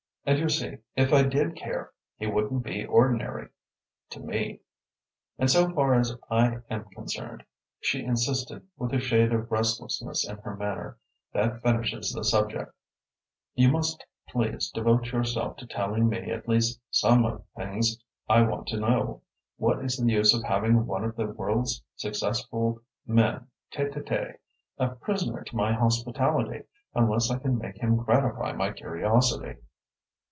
And, you see, if I did care, he wouldn't be ordinary to me. And so far as I am concerned," she insisted, with a shade of restlessness in her manner, "that finishes the subject. You must please devote yourself to telling me at least some of the things I want to know. What is the use of having one of the world's successful men tête a tête, a prisoner to my hospitality, unless I can make him gratify my curiosity?"